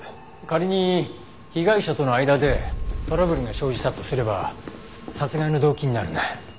仮に被害者との間でトラブルが生じたとすれば殺害の動機になるね。